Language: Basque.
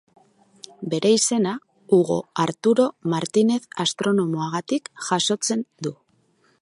Bere izena Hugo Arturo Martinez astronomoagatik jasotzen du.